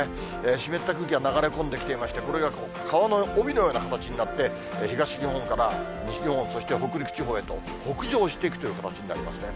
湿った空気が流れ込んできていまして、これが川の帯のような形になって、東日本から西日本、そして北陸地方へと北上していくという形になりますね。